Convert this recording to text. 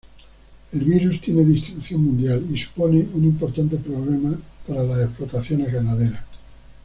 El virus tiene distribución mundial y supone un importante problema para las explotaciones ganaderas.